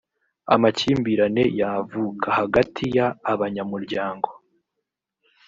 amakimbirane yavuka hagati y abanyamuryango